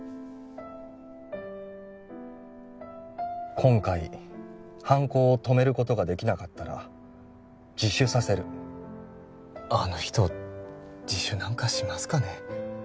今回犯行を止めることができなかったら自首させるあの人自首なんかしますかね